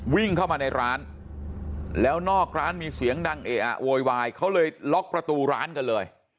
วิ่งเข้ามาในร้านแล้วนอกร้านมีเสียงดังเออะโวยวายเขาเลยล็อกประตูร้านกันเลย